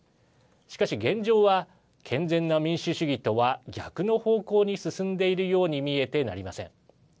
しかし、現状は健全な民主主義とは逆の方向に進んでいるように見えてなりません。